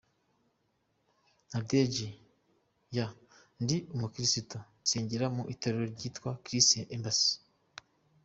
Nadege: Yeah, ndi umukirisitu, nsengera mu itorero ryitwa Christ Embassy.